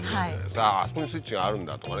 あああそこにスイッチがあるんだとかね